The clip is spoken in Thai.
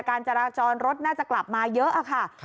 การจราจรรถน่าจะกลับมาเยอะค่ะ